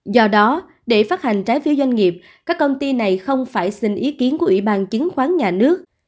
do đó để phát hành trái phiếu doanh nghiệp các công ty này không phải xin ý kiến của ủy ban chứng khoán nhà nước